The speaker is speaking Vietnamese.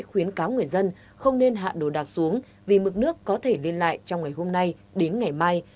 khuyến cáo người dân không nên hạ đồ đạc xuống vì mức nước có thể lên lại trong ngày hôm nay đến ngày mai